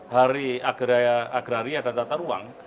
hari agraria dan tata ruang